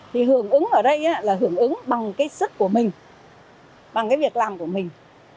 thì hưởng ứng ở đây là hưởng ứng bằng sức của mình bằng việc làm của mình